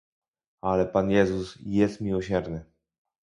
"Ale Pan Jezus jest miłosierny."